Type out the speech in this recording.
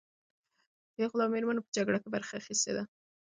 پېغلو او مېرمنو په جګړه کې برخه اخیستې ده.